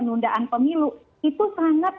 undaan pemilu itu sangat